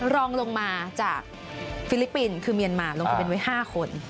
รองลงมาจากฟิลิปปินส์คือเมียนมาลงทะเบียนไว้๕คน